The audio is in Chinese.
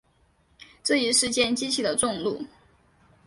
这一事件激起了众怒。